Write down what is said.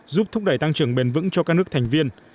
giúp thúc đẩy tăng trưởng bền vững cho các nước thành viên